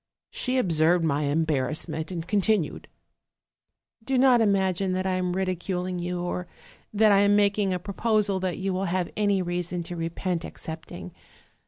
She observed my embarrassment, and continued: " 'Do not imagine that I am ridiculing you, or that I am making a proposal that you will have any reason to repent accepting.